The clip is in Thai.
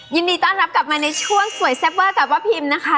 ยินดีต้อนรับกลับมาในช่วงสวยเซฟเวอร์กับป้าพิมนะคะ